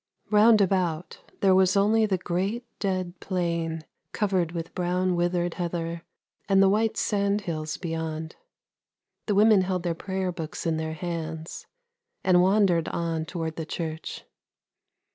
Round about there was only the great dead plain, 246 ANDERSEN'S FAIRY TALES covered with brown withered heather and the white sand hills beyond. The women held their prayer books in their hands and wandered on towards the church.